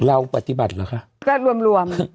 เราปฏิบัติเหรอคะก็รวม